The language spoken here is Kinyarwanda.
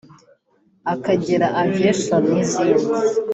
Akagera Aviation n’izindi